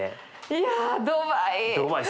いやドバイ。